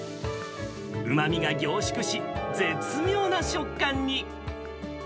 うまみが凝縮し、絶妙な食感に。